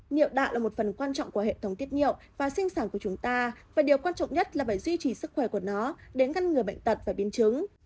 nhựa đạn là một phần quan trọng của hệ thống tiết nhiệu và sinh sản của chúng ta và điều quan trọng nhất là phải duy trì sức khỏe của nó để ngăn ngừa bệnh tật và biến chứng